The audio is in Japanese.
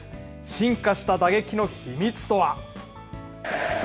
進化した打撃の秘密とは。